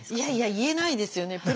いやいや言えないですよね。